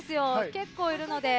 結構いるので。